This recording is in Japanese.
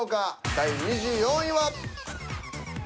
第２４位は。